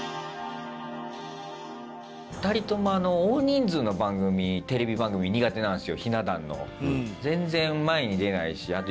２人とも大人数の番組テレビ番組苦手なんですよひな壇の。